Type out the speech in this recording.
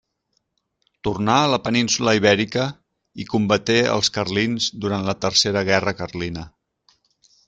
Tornà a la península Ibèrica, i combaté els carlins durant la Tercera Guerra Carlina.